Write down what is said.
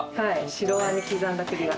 白あんに刻んだ栗が。